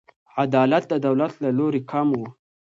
عدالت د دولت له لوري کم و.